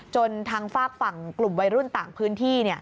จนทางฝากฝั่งกลุ่มวัยรุ่นต่างพื้นที่